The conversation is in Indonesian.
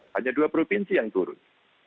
hanya dua provinsi yang turun